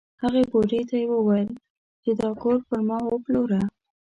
هغې بوډۍ ته یې وویل چې دا کور پر ما وپلوره.